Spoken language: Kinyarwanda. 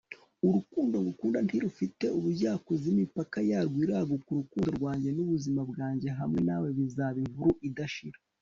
urukundo ngukunda ntirufite ubujyakuzimu, imipaka yarwo iraguka. urukundo rwanjye n'ubuzima bwanjye hamwe nawe bizaba inkuru idashira